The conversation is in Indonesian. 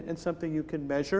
dan sesuatu yang bisa anda ukur